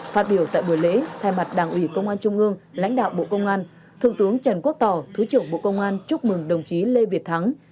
phát biểu tại buổi lễ thay mặt đảng ủy công an trung ương lãnh đạo bộ công an thượng tướng trần quốc tỏ thứ trưởng bộ công an chúc mừng đồng chí lê việt thắng